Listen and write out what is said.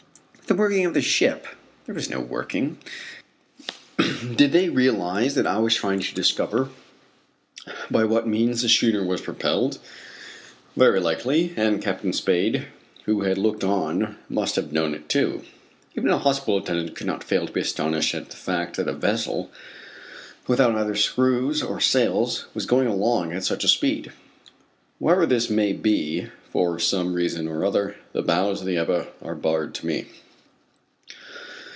With the working of the ship! There was no working. Did they realize that I was trying to discover by what means the schooner was propelled? Very likely, and Captain Spade, who had looked on, must have known it, too. Even a hospital attendant could not fail to be astonished at the fact that a vessel without either screw or sails was going along at such a speed. However this may be, for some reason or other, the bows of the Ebba are barred to me.